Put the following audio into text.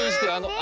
あ！